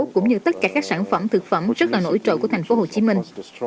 cũng như tất cả các sản phẩm thực phẩm rất là nổi trội của thành phố hồ chí minh